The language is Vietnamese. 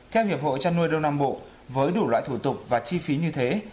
theo hiệp hội trăn nuôi đông nam bộ với đủ loại thủ tục và chi phí như thế